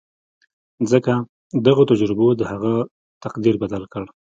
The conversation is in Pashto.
ځکه دغو تجربو د هغه تقدير بدل کړ.